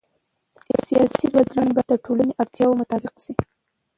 سیاسي بدلون باید د ټولنې اړتیاوو مطابق وشي